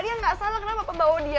dia nggak salah kenapa pak bawa dia